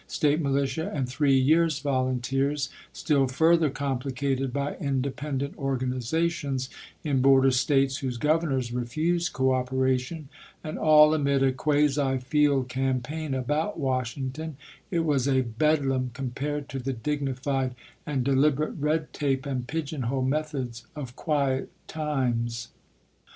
State militia, and three years' volunteers, still further complicated by independ ent organizations in border States whose Governors refused cooperation; and all amid a quasi field campaign about Washington — it was a bedlam compared to the dignified and deliberate red tape and pigeon hole methods of quiet times.